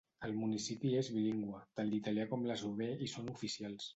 El municipi és bilingüe, tant l'italià com l'eslovè hi són oficials.